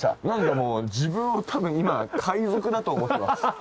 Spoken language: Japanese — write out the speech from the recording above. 何かもう自分を多分今海賊だと思ってます。